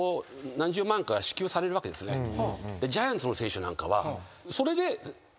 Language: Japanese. ジャイアンツの選手なんかは。